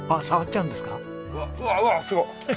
うわうわすごっ！